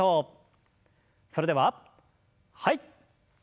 それでははい。